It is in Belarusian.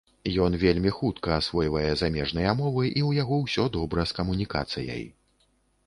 Ён вельмі хутка асвойвае замежныя мовы і ў яго ўсё добра з камунікацыяй.